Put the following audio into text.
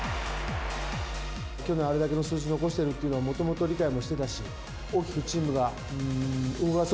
去年、あれだけの数字残しているというのは、もともと理解もしてたし、大きくチームを動かそ